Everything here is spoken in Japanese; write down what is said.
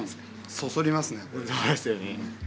そそりますね。